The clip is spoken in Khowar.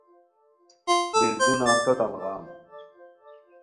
بیردو نان تتان غم